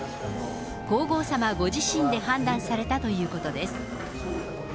皇后さまご自身で判断されたということです。